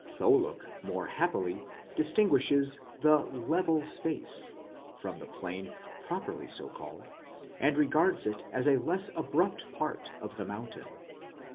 Tholiick, more happily, distinguishes the /evel space, τόπος πεδινὸς, from the plain properly so called, and regards it as a less abrupt part of the mountain.